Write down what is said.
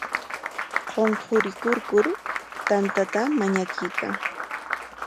Qunqurikuykur tantata mañakuykan.